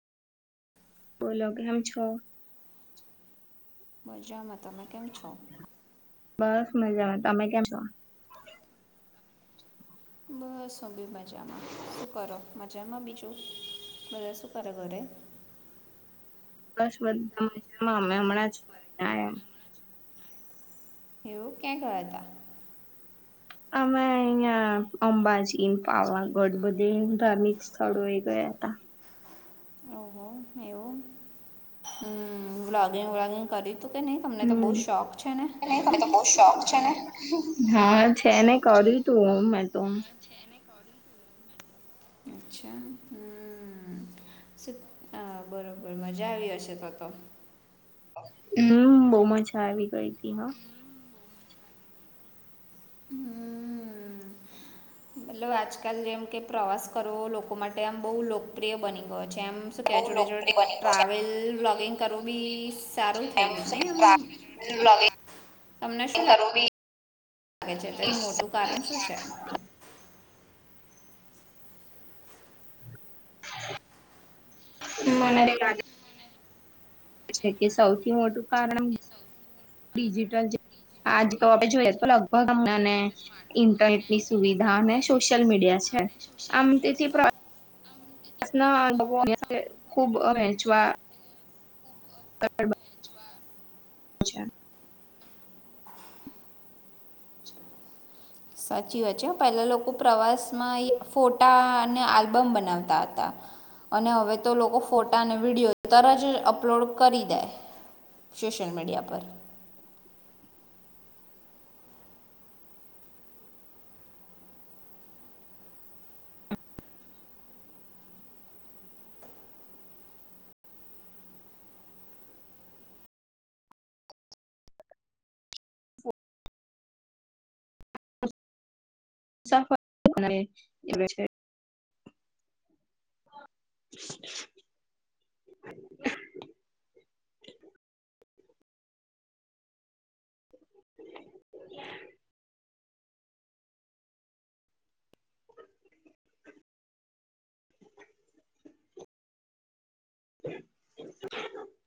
બોલો કેમ છો? મજામાં, તમે કેમ છો? બસ મજામાં, તમે કેમ છો? બસ અમબી મજામાં, શું કરો? મજામાં બીજું, બધા સુું કરે ઘરે? બસ બધા મજામાં, અમે હમણાં જ ફરીને આયા એવું ક્યાં ગયા હતા? અમે અહિયાં અંબાજી, પાવાગઢ બધે ધાર્મિક સ્થળો એ ગયા હતા. [inaudible] ઓહો એવુ. હમ્મ બ્લાગિંગ વ્લાગિંગ કરી કે નહી તમને તો બહુ હમ્મ. શોખ છે ને? નહી મને તો બહુ શોખ છે ને. હા છે ને કર્યું તું મે તો અચ્છા હમ્મ. શુ આ બરોબર મજા આવી હશે તો તો હમ્મ, બહુ મજા આવી ગઈ તી હા. હમ્મ મતલબ આજકાલ જેમ કે પ્રવાસ કરવો લોકો માટે આમ બહુ લોકપ્રિય બની ગયો છે કેમ શું બહુ કહે જોડે જોડે લોકપ્રિય બની ગયો છે ટ્રાવેલ બ્લોગિંગ કરવું બી સારું થઈ એમ ગયું શું નહી કે આમ. ટ્રાવેલ બ્લોગિંગ તમને શું લાગ કરવું બી ગે છે તેથી મોટું કારણ શું છે? મને બી લાગે એટલે કે સૌથી મોટું કારણ ડિજિટલ જે આજ તો આપડે જોઈએ તો લગભગ આપને ઈન્ટરનેટ ની સુવિધા અને સોશિયલ મીડિયા છે. આમ તેથી [inaudible] અ ખૂબ વહેંચવા [inaudible] અચ્છા. સાચી વાત છે. પહેલા લોકો પ્રવાસમાં ફોટા અને આલ્બમ બનાવતા હતા. અને હવે તો લોકો ફોટા અને વિડીયો તર જ અપલોડ તો કરી કરી દે સોશિયલ મીડિયા પર. [inaudible] એ છે. [inaudible] [inaudible] [inaudible]